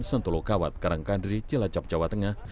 sentulokawat karangkandri cilacap jawa tengah